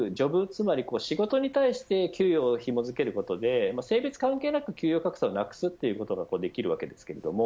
つまり仕事に対して給与をひも付けることで性別関係なく給与格差をなくすことができます。